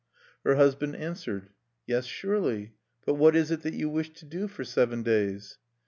Her husband answered, "Yes, surely; but what is it that you wish to do for seven days?"